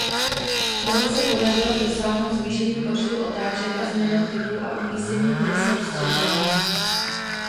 Toho se podařilo dosáhnout zvýšením počtu otáček a změnou typu a umístění trysek vstřikování.